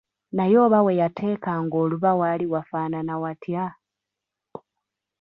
Naye oba we yateekanga oluba waali wafaanana watya?